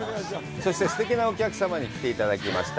そして、すてきなお客様に来ていただきました。